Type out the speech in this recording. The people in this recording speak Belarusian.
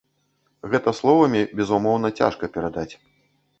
Гэта словамі, безумоўна, цяжка перадаць.